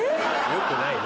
よくないな。